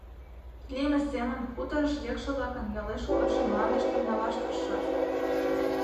Лийме семын хуторыш лекше-влакын ялеш кодшо мландыштым налаш тыршаш.